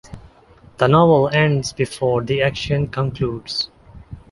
The novel ends before the action concludes.